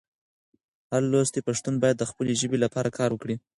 هر لوستی پښتون باید د خپلې ژبې لپاره کار وکړي.